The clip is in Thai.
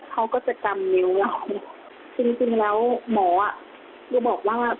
เขาก็จะกำนิ้วเราจริงจริงแล้วหมออ่ะก็บอกว่า